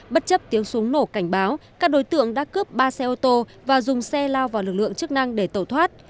bất chấp tiếng súng nổ cảnh báo các đối tượng đã cướp ba xe ô tô và dùng xe lao vào lực lượng chức năng để tẩu thoát